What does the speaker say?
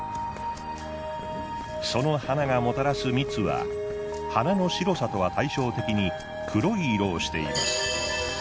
その花がもたらす蜜は花の白さとは対照的に黒い色をしています。